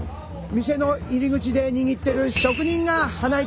店の入り口で握ってる職人が花板。